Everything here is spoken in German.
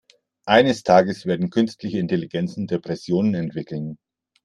Eines Tages werden künstliche Intelligenzen Depressionen entwickeln.